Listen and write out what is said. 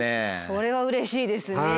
それはうれしいですね。